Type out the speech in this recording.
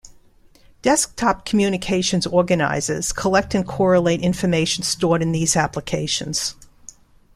Desktop communications organizers collect and correlate information stored in these applications.